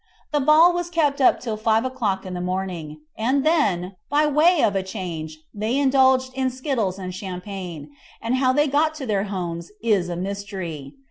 The ball was kept up till 5 o'clock in the morning, and then, by way of a change, they indulged in skittles and champague, and how they got to their homes is a mystery.